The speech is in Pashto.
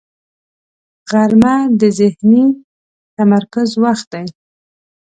غرمه د ذهني تمرکز وخت دی